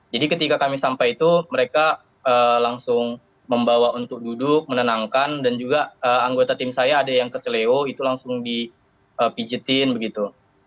jadi ketika kami sampai itu mereka langsung membawa untuk duduk menenangkan dan juga anggota tim saya ada yang keselio itu langsung dipijetin begitu